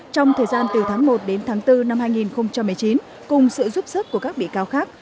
trong thời gian từ tháng một đến tháng bốn năm hai nghìn một mươi chín cùng sự giúp sức của các bị cáo khác